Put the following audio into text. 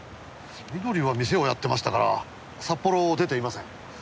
美登里は店をやってましたから札幌を出ていません。